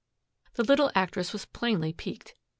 The little actress was plainly piqued.